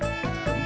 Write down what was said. aku mau berbual